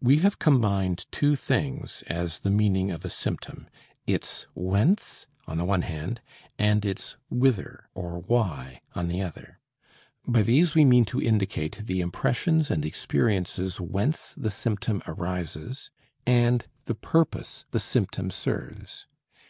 We have combined two things as the meaning of a symptom, its "whence," on the one hand, and its "whither" or "why," on the other. By these we mean to indicate the impressions and experiences whence the symptom arises, and the purpose the symptom serves.